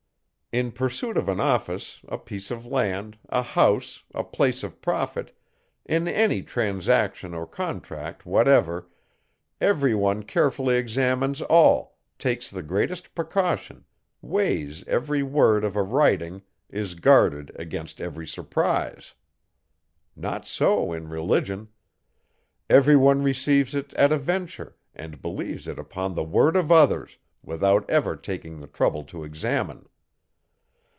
In pursuit of an office, a piece of land, a house, a place of profit; in any transaction or contract whatever, every one carefully examines all, takes the greatest precaution, weighs every word of a writing, is guarded against every surprise. Not so in religion; every one receives it at a venture, and believes it upon the word of others, without ever taking the trouble to examine.